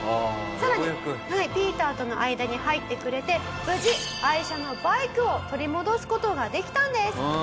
更にピーターとの間に入ってくれて無事愛車のバイクを取り戻す事ができたんです。